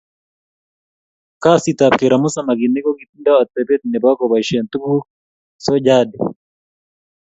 Kasit ap keramu samakinik kokitinda atebete nebo kobaishe tuguk so jadi.